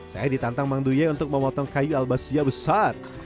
saya ditantang mang duye untuk memotong kayu albasia besar